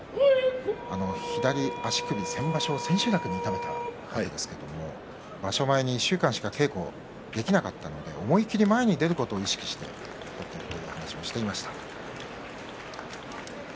左足首、先場所の千秋楽で痛めたところですが場所前１週間しか稽古できなかったんだけれども思い切り前に出ることを意識してというふうに話をしていました。